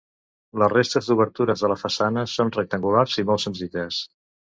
La resta d'obertures de la façana són rectangulars i molt senzilles.